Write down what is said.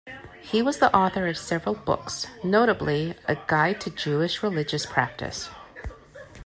He was the author of several books, notably, "A Guide to Jewish Religious Practice".